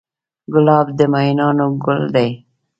ګلاب د مینانو ګل دی.